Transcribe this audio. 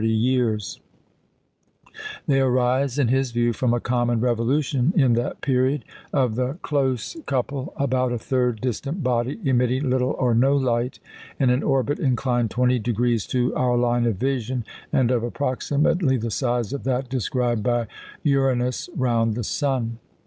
They arise, in his view, from a common revolution, in that period, of the close couple about a third distant body, emitting little or no light, in an orbit inclined 20° to our line of vision, and of approximately the size of that described by Uranus round the sun.